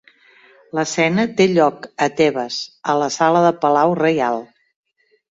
L'escena té lloc a Tebes, a la sala del palau reial.